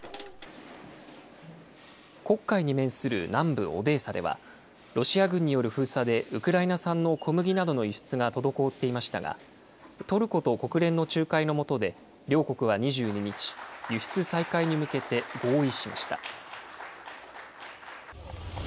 黒海に面する南部オデーサでは、ロシア軍による封鎖でウクライナ産の小麦などの輸出が滞っていましたが、トルコと国連の仲介のもとで、両国は２２日、輸出再開に向けて、合意しました。